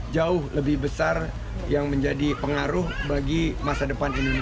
jauh lebih besar yang menjadi pengaruh bagi masa depan indonesia